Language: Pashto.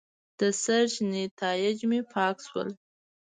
د سرچ نیتایج مې پاک شول.